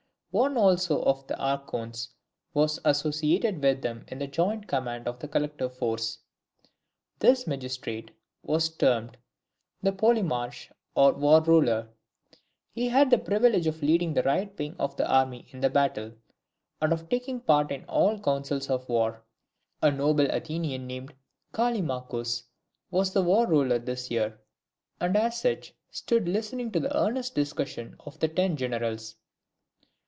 One also of the Archons was associated with them in the joint command of the collective force. This magistrate was termed the Polemarch or War Ruler: he had the privilege of leading the right wing of the army in battle, and of taking part in all councils of war. A noble Athenian, named Callimachus, was the War Ruler of this year; and as such, stood listening to the earnest discussion of the ten generals.